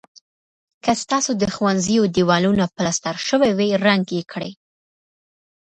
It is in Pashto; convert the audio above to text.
که ستاسو د ښوونځي دېوالونه پلستر شوي وي رنګ یې کړئ.